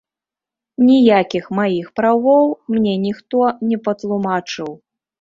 Ніякіх маіх правоў мне ніхто не патлумачыў.